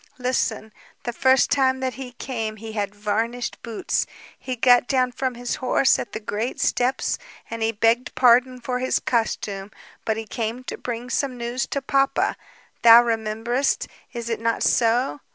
Listen. The first time that he came he had varnished boots. He got down from his horse at the great steps, and he begged pardon for his costume, but he came to bring some news to papa. Thou rememberest, is it not so?